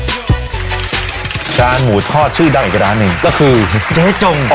ร้านหมูทอดชื่อดังอีกร้านหนึ่งก็คือเจ๊จง